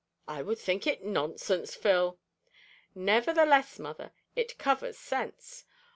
"I would think it nonsense, Phil." "Nevertheless, mother, it covers sense.